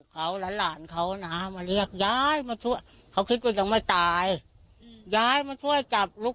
เขาและหลานเขานะฮะมาเรียกยายมาช่วยเขาคิดว่ายังไม่ตายยายมาช่วยจับลูก